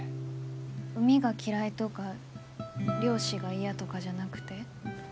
海が嫌いとか漁師が嫌とかじゃなくて？